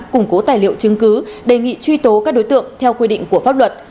củng cố tài liệu chứng cứ đề nghị truy tố các đối tượng theo quy định của pháp luật